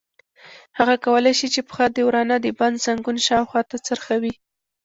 هغه کولای شي چې پښه د ورانه د بند زنګون شاوخوا ته څرخوي.